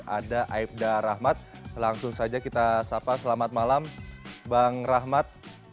ada aibda rahmat langsung saja kita sapa selamat malam bang rahmat